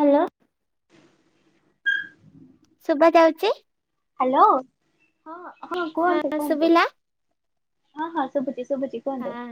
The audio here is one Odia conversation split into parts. ହ୍ୟାଲୋ ଶୁଭା ଯାଉଚି? ହ୍ୟାଲୋ ହଁ ହଁ ହଁ କୁହନ୍ତୁ କୁହନ୍ତୁ। ହଁ ହଁ ଶୁଭୁଚି। ଶୁଭୁଚି କୁହନ୍ତୁ। ହଁ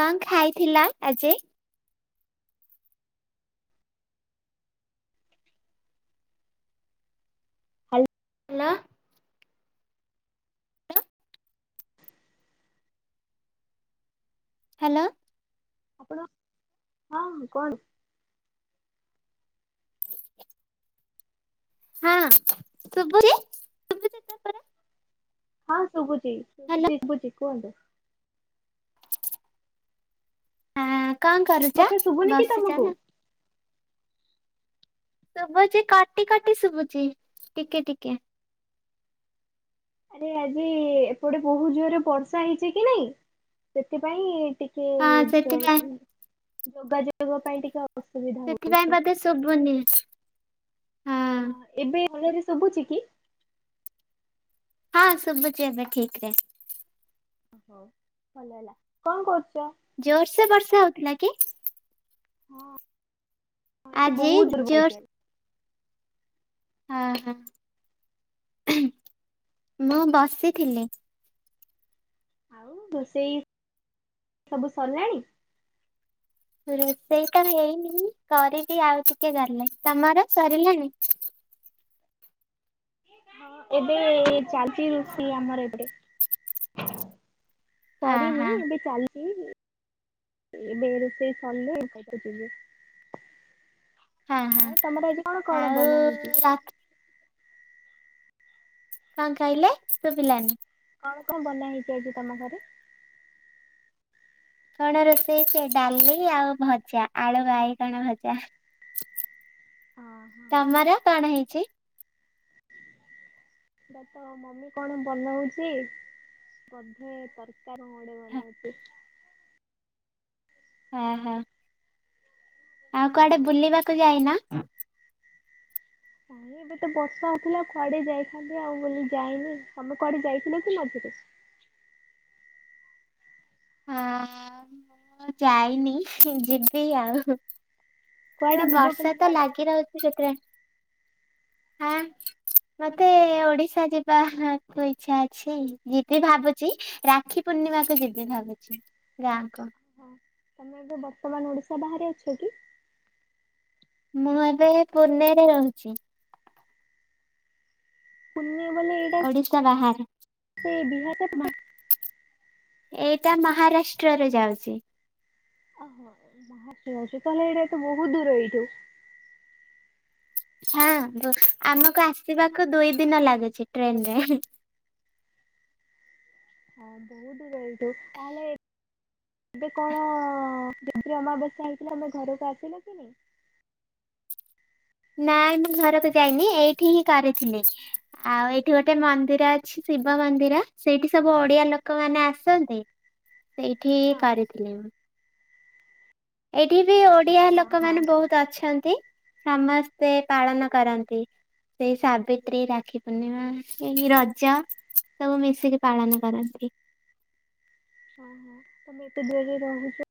କଣ ଖାଇଥିଲ ଆଜି? Hello hello. ହାଲୋ। ଆପଣ ହଁ ହଁ କୁହନ୍ତୁ। ହଁ ଶୁଭୁନି? ହଁ ଶୁବୁଚି, ହ୍ୟାଲୋ ଶୁବୁଚି କୁହନ୍ତୁ। ହଁ କଣ କରୁଚ? କଥା ଶୁଭୁନି କି ବସିଚ ତମକୁ? ନା ଶୁଭୁଚି କଟି କଟି ଶୁଭୁଚି ଟିକେ ଟିକେ। ଆରେ ଆଜି ଏପଟେ ବୋହୁତ୍ ଜୋରରେ ବର୍ଷା ହେଇଚି କି ନାଇଁ ସେଥିପାଇଁ ଟି ଟିକେ ହଁ ଯ ସେଥିପାଇଁ ଯୋଗାଯୋଗ ପାଇଁ ଟିକେ ଅସୁବିଧା ସେଥିପାଇଁ ହଉଚି। ବୋଧେ ଶୁଭୁନି। ହଁ। ଏବେ ଭଲରେ ଶୁଭୁଚି କି? ହଁ ଶୁବୁଚି ଏବେ ଠିକ୍ ରେ। ହଉ ଭଲ ହେଲା। କଣ କରୁଚ? ଜୋରସେ ବର୍ଷା ହଉଥିଲା କି? ହଁ ଏଇଠି ଆଜି ବହୁତ ଜୋର୍। ଜୋର [unintelligible] ଅ ହଁ। ମୁଁ ବସିଥିଲି। ଆଉ ରୋଷେଇ ସବୁ ସରିଲାଣି? ରୋଷେଇ ତ ହେଇନି କରିବି ଆଉ ଟିକେ ଗଲେ। ତମର ସରିଲାଣି? ଏବେ ଚାଲିଚି ରୁଷେଇ ଆମର ଏପଟେ। ହଁ ସରିନି ହଁ ଏବେ ଚାଲିଚି। ଏବେ ରୋଷେଇ ସରିଲେ [unintelligible] ଯିବି। ହଁ ହଁ ଆଉ ତମର ଆଜି କଣ କଣ ଆଉ ବନା ହେଇଚି? ରାତି କଣ କହିଲେ ଶୁବିଲାନି? କଣ କଣ ବନା ହେଇଚି ଆଜି ତମ ଘରେ? କଣ ରୋଷେଇ ହେଇଚି ଡାଲି ଆଉ ଭଜା। ଆଳୁ ବାଇଗଣ ଭଜା। ହଁ ହଁ ତମର କଣ ହେଇଚି? ତ ମମି କଣ ବନଉଚି ବୋଧେ ସରି ତାର ମୁଡେ ବନଉଚି। ହଁ ହଁ। ଆଉ କୁଆଡେ ହଁ। ବୁଲିବାକୁ ଯାଇନ? କାଇଁ ଏବେ ତ ବର୍ଷା ହଉଥିଲା କୁଆଡେ ଯାଇଥାନ୍ତି ଆଉ ବୁଲି ଯାଇନି। ତମେ କୁଆଡେ ଯାଇଥିଲ କି ମଝିରେ? ହଁ। ଯାଇନି ଯିବି ଆଉ। ଏ ପା କୁଆଡେ ଯିବ ବର୍ଷା ବୋଲି ତ ଭାବୁଛ? ଲାଗି ରହୁଚି ସେଥିରେ ହଁ। ମତେ ଓଡିଶା ଯିବାକୁୁ ଇଚ୍ଛା ଅଛି, ଯିବି ଭାବୁଚି। ରାକ୍ଷୀ ପୂର୍ଣ୍ଣିମା କୁ ଯିବି ଭାବୁଚି, ଗାଁକୁ। ହଁ। ତମେ ଏବେ ବର୍ତ୍ତମାନ ଓଡିଶା ବାହାରେ ଅଛ କି? ମୁଁ ଏବେ ପୁନେରେ ରହୁଚି। ପୁନେ ବୋଲି ଏଇଟା ଓଡିଶା ବାହାରେ। ସେ ବିହାର ଏଇଟା ମହାରାଷ୍ଟ୍ରରେ ଯାଉଚି। ଓହୋ ମହାରାଷ୍ଟ୍ର ରେ ଯାଉଚି। ତାହେଲେ ଏଇଟା ଏ ତ ବହୁତ ଦୂର ଏଇଠୁ। ହଁ। ବ ଆମକୁ ଆସିବାକୁ ଦୁଇ ଦିନ ଲାଗୁଚି ଟ୍ରେନ୍ ରେ। ହଁ ବହୁ ଦୂର ଏଇଠୁ। ତାହେଲେ ଏବେ କଣ [unintelligible] ଅମାବାସ୍ୟା ହେଇଥିଲା ଆପଣ ଘରକୁ ଆସିନଥିଲେ? ନାଇଁ ମୁଁ ଘରକୁ ଯାଇନି ଏଇଠି ହିଁ କରିଥିଲି। ଆଉ ଏଇଠି ଗୋଟେ ମନ୍ଦିର ଅଛି ଶିବ ମନ୍ଦିର, ସେଇଠି ସବୁ ଓଡିଆ ଲୋକମାନେ ଆସନ୍ତି। ସେଇଠି ହଁ କରିିଥିଲି ମୁଁ। ଏଇଠି ବି ଓଡ଼ିଆ ହଁ ଲୋକମାନେ ବହୁତ। ଅଛନ୍ତି। ସମସ୍ତେ ପାଳନ କରନ୍ତି। ସେଇ ସାବିତ୍ରୀ, ରାକ୍ଷୀ ପୂର୍ଣ୍ଣିମା, ଏଇ ରଜ। ସବୁ ମିଶିକି ପାଳନ କରନ୍ତି। ହଁ ହଁ ତମେ ଏତେ ଦୂର ରେ ରହୁଛ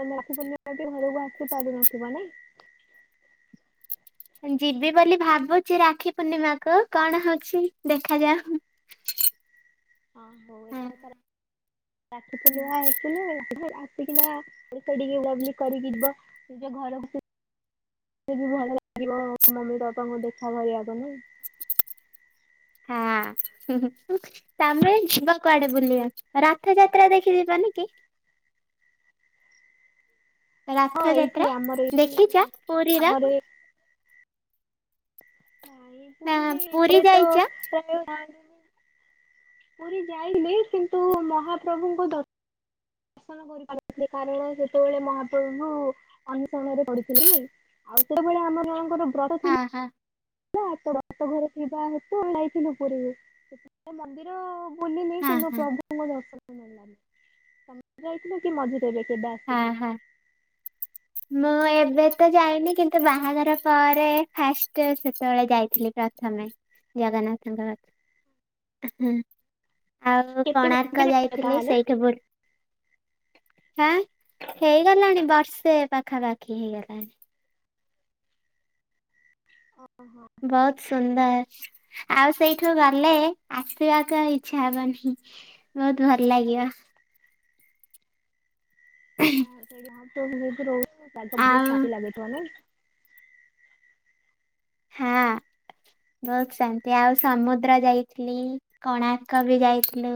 ତମେ ରଖି ପୂର୍ଣାମ ଘରକୁ ଆସି ପାରୁନଥିବ ନାଇଁ ଯିବି ବୋଲି ଭାବୁଛି ରାକ୍ଷୀ ପୂର୍ଣିମାକୁ କଣ ହଉଛି ଦେଖାଯାଉ। ହଁ ହଉ ଏଥର ହଁ। ରଖି ପୂର୍ଣାମା ଆସିଲେ ଆସିକିନା ଗୀତ ଟିକେ [unintelligible] କରିକି ଯିବ ନିଜ ଘରକୁ ଭଲ ଲାଗିବ ମମି ବାପାଙ୍କୁ ଦେଖା କରିବାକୁ ନେଇ। ହାଁ ହଁ ହଁ ହଁ ତମେ ଯିବା କୁଆଡେ ବୁଲିବା ରଥ ଯାତ୍ରା ଦେଖି ଯିବନ କି? ହଁ ଏଇଠି ରଥଯାତ୍ରା ଆମର ଦେଖିଛ ଏଇଠି ପୁରୀର ଆମର ନାଇଁ ନା ପୁରୀରେ ପୁରୀ ଘରେ ପ୍ରାୟ ଯାଇଛ? ପୁରୀ ଯାଇଲେ କିନ୍ତୁ ମହାପ୍ରଭୁଙ୍କ ଦ କରିପାରିନଥିଲି କାରଣ ସେତେବେଳେ ମହାପ୍ରଭୁୁ ଅନୁସରଣରେ ପଡ଼ିଥିଲି ନାଇଁ ଆଉ ସେଭଳିଆ ଆମରଙ୍କର ବ୍ର ହଁ ହଁ ତାତ ଘରେ ଥିବା ହେତୁ ଯାଇ ଥିଲୁ ପୁରିକୁ ସେ ମନ୍ଦିର ବୁଲନି ହଁ କିନ୍ତୁ ହଁ ପ୍ରଭୁଙ୍କ ଦର୍ଶନ ନେଲାନି ସମ ଯାଇଥିଲ କି ମଜା ଦେବେ କେଟା ହଁ ହଁ ମୁଁ ଏବେ ତ ଯାଇନି କିନ୍ତୁ ବାହାଘର ପରେ ଫାଷ୍ଟ ସେତେବେଳେ ଯାଇଥିଲି ପ୍ରଥମେ ଜଗନ୍ନାଥଙ୍କ ର ହୁଁ ଆଉ କେତେ ଏବେ କୋଣାର୍କ ଯାଇଥିଲ ଯାଇଥିଲି ତାହେଲେ? ସେଇଠ ବଲ ହଁ ହେଇଗଲାଣି ବର୍ଷେ ପାଖାପାଖି ହେଇଗଲାଣି। ଓହୋ। ବହୁତ ସୁନ୍ଦର। ଆଉ ସେଇଠୁ ଗଲେ ଆସିବାକୁ ଆଉ ଇଚ୍ଛା ହବନି। ବହୁତ ଭଲ ଲାଗିବ। ହଁ ସେଇଠି ହଁ ତ ରହୁ ବହୁତ ଆଉ ଶାନ୍ତି ଲାଗୁିବ ନାଇ ହଁ ବହୁତ ଶାନ୍ତି ଆଉ ସମୁଦ୍ର ଯାଇଥିଲି। କୋଣାର୍କ ବି ଯାଇଥିଲୁ।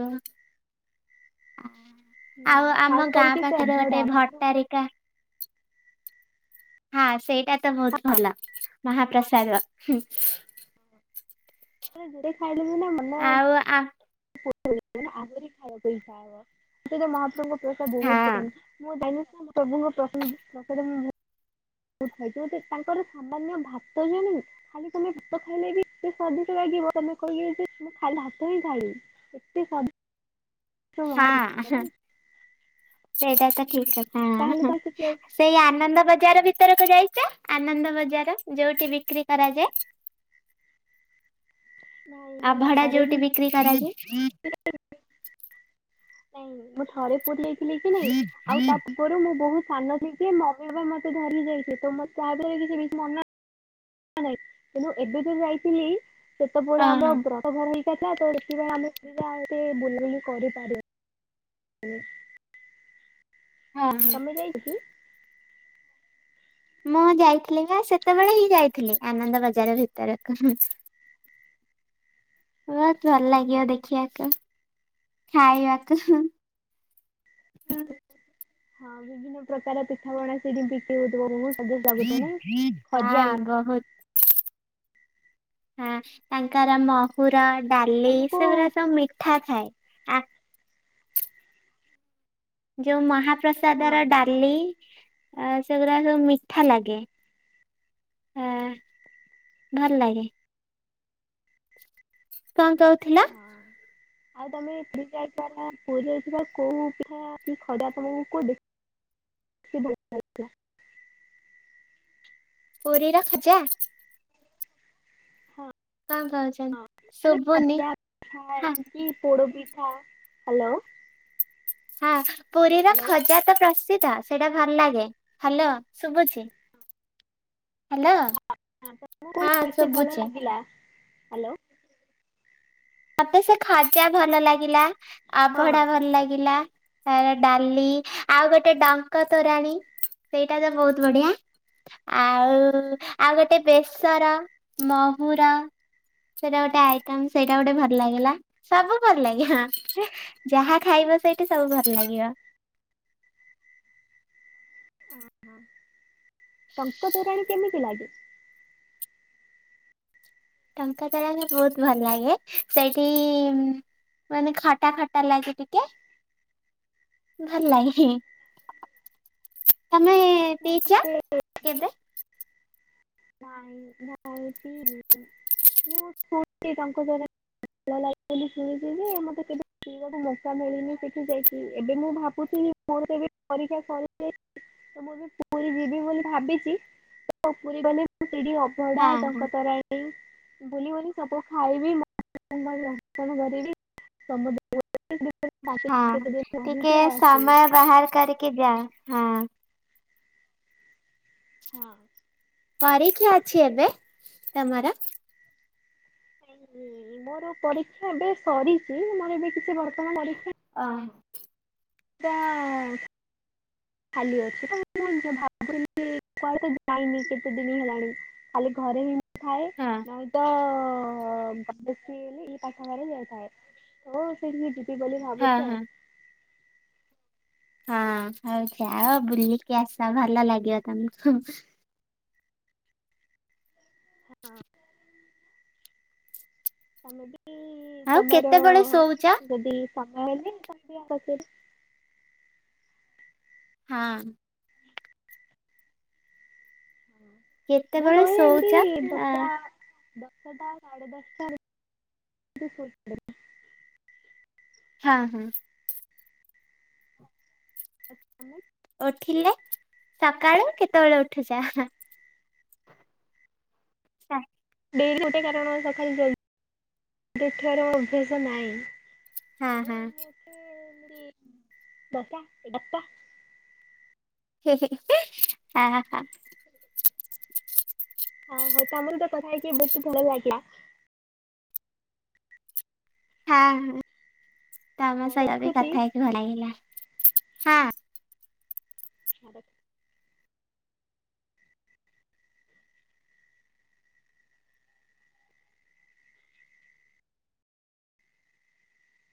ହୁଁ ଆଉ ଖାସ ଆମ ଗାଁ କରିକି ସେ ପାଖରେ ଗୋଟେ ଅଭଡା ମହାପ୍ରଭୁ ଭଟ୍ଟାରିକା। ହଁ ସେଇଟା ତ ବହୁତ ଭଲ ମହାପ୍ରସାଦ ଯୋଟ ଖାଇଲେ ବି ନା ମନ ଆଉ ଆ ଆହୁରି ଖାଇବାକୁଇଥାହବ ସେଟ ମହାପ୍ରଭୁ ବହୁତ ପସନ୍ଦ ହଁ ମୁଁ ଜାନ [unintelligible] କ ଯେ ତାଙ୍କର ସାମାନ୍ୟ ଭାତ ଜଣେ ଖାଲି ତମେ ଭାତ ଖାଇଲେ ବି ଏତେ ସ୍ୱାଦିକ ଲାଗିବ ତମେ କହିବେ ଯେେ ଖାଇ ହାତ ହିଁ ଖାଇବି। ଏତେ ସ ହଁ ହ ସେଇଟା ତ ଠିକ କଥା ତାହେଲେ ହଁ ତ ସେଥିପାଇଁ ସେଇ ଆନନ୍ଦ ବଜାର ଭିତରକୁ ଯାଇଛ ଆନନ୍ଦ ବଜାର ଯୋଉଠି ବିକ୍ରି କରାଯାଏ। ନାଇଁ ଆଉ ମୁଁ ଭଡା ଥରେ ହିଁ ଯୋଉଠି ବିକ୍ରି କରାଯାଏ। ନାଇଁ ମୁଁ ଥରେ ପୁର ଯାଇଥିଲି କି ନାଇ ଆଉ ତା ରେ ମୁଁ ବହୁତ ସାନ ଇଛି ମମି ବାପା ମତେ ଧରିକି ଯାଇଛି ତ ତାହା ଦାରା କି ସେ ମନେ ହ ନାଇଁ କିନ୍ତୁ ଏବେ ଯୋ ଯାଇଥିଲି ସେତ ପ ଓହୋ ଆମର୍ ବ୍ର ତ ଘର ହେଇକଥା ତ ସେତେବେଳେ ଆମେ ବୁଲବୁଲି କରିପାର ହୁଁ ହଁ ହଁ ତମେ ଯାଇନ କି? ମୁଁ ଯାଇଥିଲି ବା ସେତେବେଳେ ହିଁ ଯାଇଥିଲି ଆନନ୍ଦ ବଜାର ଭିତରକୁ। ବହୁତ୍ ଭଲ୍ ଓହୋ। ଲାଗିବ ଦେଖିବାକୁ ଖାଇବାକୁ ହୁଁ। ହଁ ବିଭିନ୍ନ ପ୍ରକାର ପିଠାପଣା ସେଇଠି [unintelligible] ହଉଥିବ ବହୁତ୍। [unintelligible] ବହୁତ୍। ହଁ, ତାଙ୍କର ମ ପୁରା ଡାଲି ତମକୁ ସେଗୁରା ହଁ ସବୁ ମିଠା ଥାଏ ଆଁ ଯୋଉ ମହାପ୍ରସାଦର ଡାଲି ସେଗୁଡା ସବୁ ମିଠା ଲାଗେ। ହଁ ଭଲ ଲାଗେ। କଣ କହୁଥିଲ? ହଁ। ଆଉ ତମେ ପୁରୀ ଯାଇ ପୁରୀ ଯାଇଥିବା କୋଉ ପିଠା ଖରା ତମକୁ କୋଉ ଦେଖ [inaudible] ପୁରୀ ର ଖଜା। ହଁ କଣ କହୁଛନ୍ତି, ମାନେ ଶୁଭୁନି? ଖଜା ପିଠା ହା କି ପୋଡ଼ପିଠା ହ୍ୟାଲୋ ହଁ, ପୁରୀର ହ୍ୟାଲୋ ଖଜା ତ ପ୍ରସିଦ୍ଧ। ସେଇଟା ଭଲ ଲାଗେ। ହାଲୋ, ଶୁଭୁଛି? ହ୍ୟାଲୋ। [inaudible] ହଁ ବେଶି ଭଲ ଶୁଭୁଛି ଲାଗିଲା ହାଲୋ। ମୋତେ ସେ ଖଜା ଭଲ ଲାଗିଲା ହଁ। ଆଭଡା ଭଲ ଲାଗିଲା। ତାର ଡାଲି ଆଉ ଗୋଟେ ଟଙ୍କ ତୋରାଣୀ ସେଇଟା ତ ବହୁତ ବଢିଆ। ଆଉଁ ଆଉ ଗୋଟେ ବେସର ମୁହୁର ସେଇଟା ଗୋଟେ ଆଇଟମ୍ ସେ ଟା ଗୋଟେ ଭଲ ଲାଗିଲା। ସବୁ ଭଲ ଲାଗିବ ହଁ ଯାହା ଖାଇବ ସେଇଠି ସବୁ ଭଲ ଲାଗିବ। ଓ ହୋ। ଟଙ୍କ ତୋରାଣି କେମିତି ଲାଗେ? ଟଙ୍କା ଦେଲାକ ବହୁତ ଭଲ ଲାଗେ ସେଇଠି ମାନେ ଖଟା ଖଟା ଲାଗେ ଟିକେ। ଭଲ ହିଁ ତୋମେ କିଚା କେବେ ନାଇଁ ନାଇଁ ପିଇନି ମୁଁ ଶୁଣିଛି ତାଙ୍କ ଦ୍ଵାରା ଭଲ ଲାଗେ ବୋଲି ଶୁଣିଥିଲି। ମୋତେ କେବେ ଗୋଟେ ମଶା ମିଳିନି ସେଠି ଯାଇକି ଏବେ ମୁଁ ଭାବୁଥିଲି ପରୀକ୍ଷା [inaudible] କରି [inaudible] ତ ମୁଁ ବି ପୁରୀ ଯିବି ବୋଲି ଭାବିଛି। ତ ପୁରୀ ଗଲେ ମୁଁ ସେଇଠି ଅବଢା ହଁ ହଁ। ଟଙ୍କ ତୋରା ବୁଲି ବୁଲି ସବୁ ଖାଇବି କରିବି [inaudible] ସମୁଦାୟ ଗୋଟେ ଦେ ହଁ ଟିକେ ସମୟ ବାହାର କରିକି ଯାଅ। ହଁ। ପରୀକ୍ଷା ଅଛି ଏବେ ତମର? ହଁ ମୋର ପରୀକ୍ଷା ଏବେ ସରିଛି ମୋର ଏବେ କିଛି ବର୍ତ୍ତମାନ ପରୀକ୍ଷା ହଁ। ଚା ଆ‌। ଖାଲି ଅଛି ତ ମୁଁ ସେୟା ଭାବଥିଲି ଯେ କୁଆଡେ କାଇଁ ଯାଇନି କେତେ ଦିନ ହେଲାଣି। ଖାଲି ଘରେ ବି ଥାଏ ହଁ ନହେଁଲେ ତ ତ ଭାବୁଥିଲି ପାଠଘରେ ଯାଇଥାଏ। ତ ସେଠିକି ଯି ଯିବି ବୋଲି ହଁ ଭାବୁଛ ଆଉ ହଁ। ହଁ। ହଉ ଯାଅ ବୁଲିକି ଆସ ଭଲ ଲାଗିବ ତମକୁ ହଁ ତମେ ବି ଆଉ ତମର କେତେବେଳେ ଶୋଉଚ? ଯଦି ସମୟ ହେଲେ ତମେ ବି ଆସିବ ହଁ। ମୁଁ କେତେବେଳେ କହିଲି ଶୋଉଚ? ଏମିତି ଆ ଦୋଷା ଦଶଟା ସାଢ଼େ ଦଶଟା ଭିତରେ ସୋଇପଡ଼େ। ହଁ ହଁ। ଏଫେ ମାନେ? ଉଠିଲେ ସକାଳୁ କେତେବେଳେ ଉଠୁଛା ଚା ଡେରି ଗୋଟେ କାରଣ ସକା ଜଲଦି [inaudible] ଦେଖିବାର ଅଭ୍ୟାସ ନାହିଁ। ହା ଓ ହା ମୋତେ ଏମିତି ଦତା ଦତା ହେ-ହେ-ହେ-ହା-ହା-ହା। ହଁ-ହଁ ତମ ସହିତ କଥା ହେଇକି ବହୁତ୍ ଭଲ ଲାଗିଲା। ହଁ ତମ ହଉ ସହିତ ବି ରଖୁଛି। କଥା ହେଇକି ଭଲ ଲାଗିଲା ହଁ। ଆଗତ।